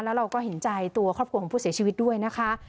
แล้วเราก็เห็นใจตัวครอบครัวของผู้เสียชีวิตด้วยนะคะ